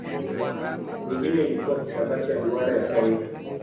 Nyingine ilikuwa hisabati ya duara ya kawaida.